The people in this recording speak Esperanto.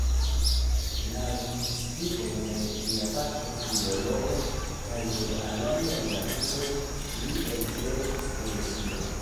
Laŭ instigo de lia patro, filologo, kaj de aliaj amikoj, li ekverkis poezion.